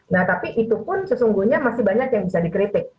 nah tapi itu pun sesungguhnya masih banyak yang bisa dikritik